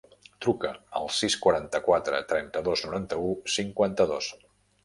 Truca al sis, quaranta-quatre, trenta-dos, noranta-u, cinquanta-dos.